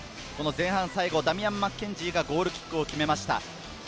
前半最後、ダミアン・マッケンジーがゴールキックを決めました。